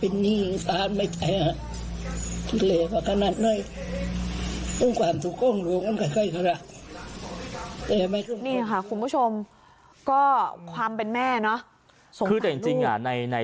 นี่ค่ะคุณผู้ชมก็ความเป็นแม่เนอะคือแต่จริงอ่ะใน